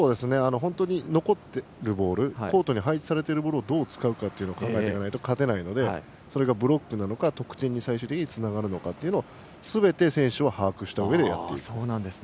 本当に残っているボールコートに配置されているボールをどう使うかを考えないと勝てないのでそれがブロックなのか得点に最終的につながるのかというのをすべて選手は把握したうえでやっている。